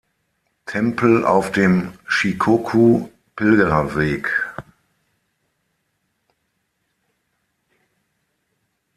Tempel auf dem Shikoku-Pilgerweg.